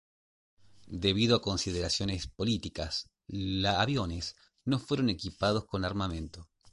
Debido a consideraciones políticas, la aviones no fueron equipados con armamento.